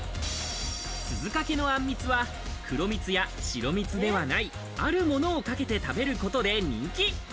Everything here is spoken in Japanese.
鈴懸のあんみつは、黒蜜や白蜜ではない、あるものをかけて食べることで人気。